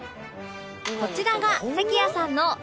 こちらが関谷さんのチョン